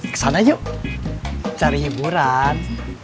kesana yuk cari hiburan